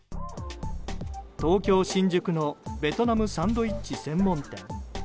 東京・新宿のベトナムサンドイッチ専門店。